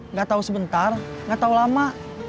nggak tahu sebentar nggak tahu lama